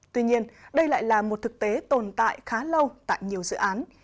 tuy nhiên đây lại là một thực tế tồn tại khá lâu tại nhiều dự án